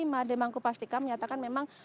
mahade mangku pastika menyatakan memang